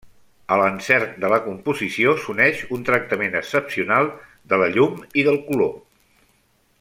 A l'encert de la composició, s'uneix un tractament excepcional de la llum i del color.